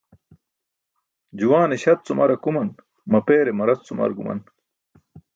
Juwaane śat cum ar akuman, mapeere marac cum ar guman.